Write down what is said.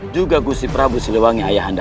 juga kusi prabu siluwangi ayah anda